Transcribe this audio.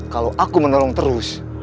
kalau aku menolong terus